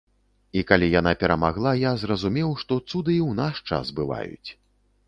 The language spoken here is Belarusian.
І калі яна перамагла, я зразумеў, што цуды і ў наш час бываюць.